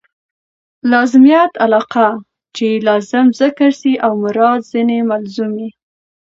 لازمیت علاقه؛ چي لازم ذکر سي او مراد ځني ملزوم يي.